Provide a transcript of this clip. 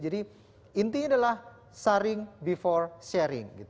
jadi intinya adalah saring before sharing